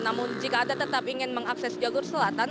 namun jika anda tetap ingin mengakses jalur selatan